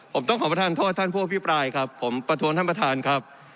ผมต้องขอประทานโทษท่านผู้อภิปรายครับผมประท้วงท่านประธานครับ